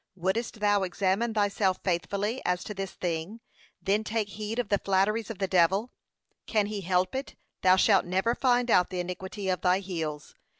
Wouldest thou examine thyself faithfully as to this thing, then take heed of the flatteries of the devil: can he help it, thou shalt never find out the iniquity of thy heels.